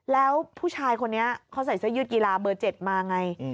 แล้วผู้ชายคนนี้เขาใส่เสื้อยืดกีฬาเบอร์๗มาไง